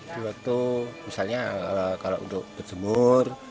di waktu misalnya kalau untuk berjemur